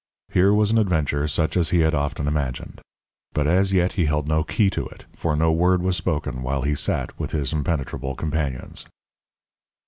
Here was an adventure such as he had often imagined. But as yet he held no key to it, for no word was spoken while he sat with his impenetrable companions.